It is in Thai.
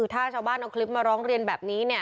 ถ้าชาวบ้านเอาคลิปมาร้องเรียนแบบนี้เนี่ย